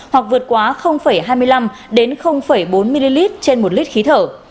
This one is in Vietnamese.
hoặc vượt quá hai mươi năm bốn ml trên một lít khí thở